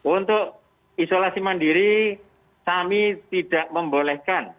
untuk isolasi mandiri kami tidak membolehkan